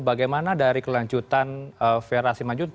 bagaimana dari kelanjutan fera simanjun